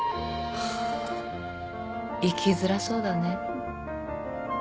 ハァ生きづらそうだね。